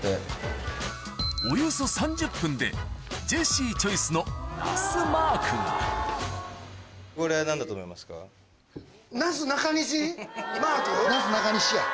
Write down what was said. ・およそ３０分でジェシーチョイスのナスマークがマーク？なすなかにしや。